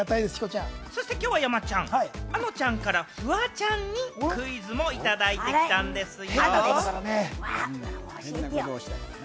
そしてきょうは山ちゃん、あのちゃんからフワちゃんにクイズもいただいてきたんですよ。